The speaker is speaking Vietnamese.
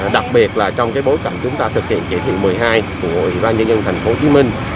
đặc biệt là trong bối cảnh chúng ta thực hiện chỉ thị một mươi hai của tp hcm